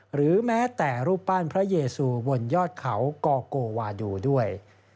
หรือแม้แต่รูปปั้นพระเยซูบนยอดเขากอโกวาดูด้วย